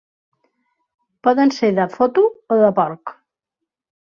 Poden ser de foto o de porc.